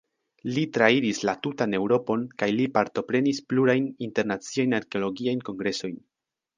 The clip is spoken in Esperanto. Li trairis la tutan Eŭropon kaj li partoprenis plurajn internaciajn arkeologiajn kongresojn.